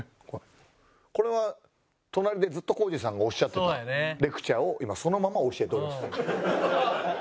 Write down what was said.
これは隣でずっとコージーさんがおっしゃってたレクチャーを今そのまま教えております。